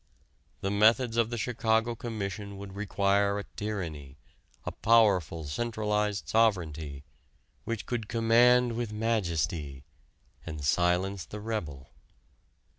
The methods of the Chicago Commission would require a tyranny, a powerful, centralized sovereignty which could command with majesty and silence the rebel.